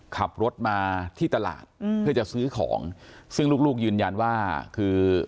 ขับรถมาที่ตลาดเพื่อจะซื้อของซึ่งลูกลูกยืนยันว่าคือ